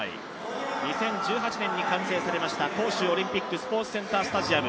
２０１８年に完成されました杭州オリンピックスポーツセンタースタジアム。